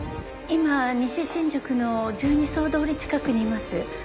今西新宿の十二社通り近くにいます。